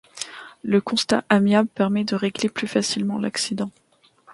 Le constat amiable permet de régler plus facilement l’accident.